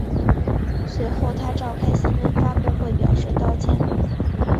随后他召开新闻发布会表示道歉。